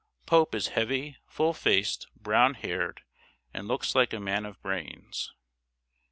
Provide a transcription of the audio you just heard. Pope is heavy, full faced, brown haired, and looks like a man of brains.